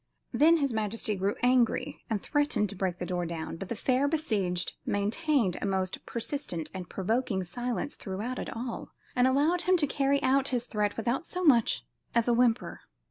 Then his majesty grew angry and threatened to break down the door, but the fair besieged maintained a most persistent and provoking silence throughout it all, and allowed him to carry out his threat without so much as a whimper.